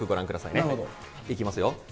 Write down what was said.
いきますよ。